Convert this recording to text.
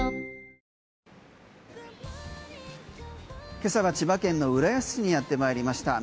今朝は千葉県の浦安にやってまいりました。